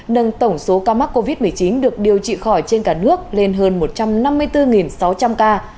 nâng tổng số ca mắc covid một mươi chín được điều trị khỏi trên cả nước lên hơn một trăm năm mươi bốn sáu trăm linh ca